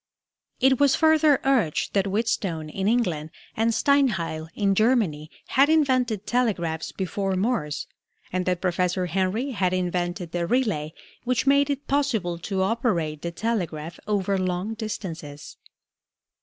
It was further urged that Wheatstone in England and Steinheil in Germany had invented telegraphs before Morse, and that Professor Henry had invented the relay which made it possible to operate the telegraph over long distances.